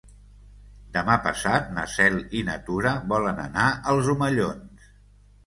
Demà passat na Cel i na Tura volen anar als Omellons.